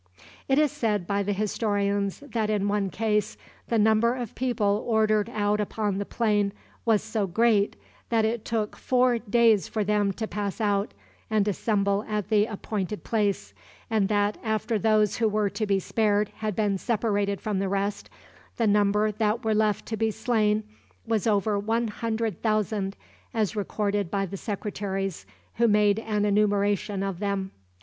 It is said by the historians that in one case the number of people ordered out upon the plain was so great that it took four days for them to pass out and assemble at the appointed place, and that, after those who were to be spared had been separated from the rest, the number that were left to be slain was over one hundred thousand, as recorded by the secretaries who made an enumeration of them.